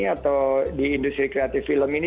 atau di industri kreatif film ini